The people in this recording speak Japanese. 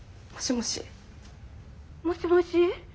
もしもし。